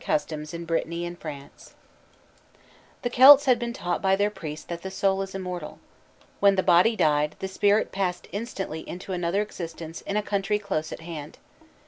CHAPTER XI IN BRITTANY AND FRANCE The Celts had been taught by their priests that the soul is immortal. When the body died the spirit passed instantly into another existence in a country close at hand.